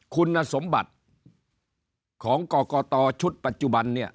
คุณสมบัติของกรกตชุดปัจจุบันเนี่ย